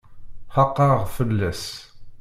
Xaqeɣ fell-as.